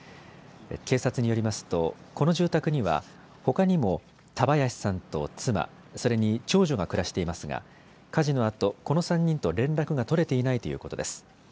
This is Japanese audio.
警察によりますと、この住宅にはほかにも田林さんと妻、それに長女が暮らしていますが火事のあとこの３人と連絡が取れていないということです。